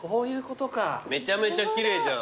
めちゃめちゃ奇麗じゃん。